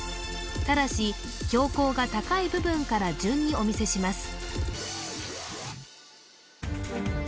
ただし標高が高い部分から順にお見せします